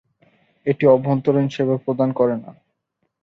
এটি অভ্যন্তরীণ সেবা প্রদান করে না।